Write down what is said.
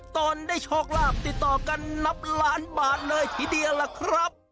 ตนได้โชคลาภติดต่อกันนับล้านบาทเลยทีเดียวล่ะครับ